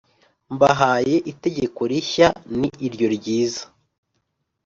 mbahaye itegeko rishya ni iryo ryiza